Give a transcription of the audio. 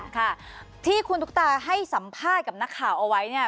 ค่ะที่คุณตุ๊กตาให้สัมภาษณ์กับนักข่าวเอาไว้เนี่ย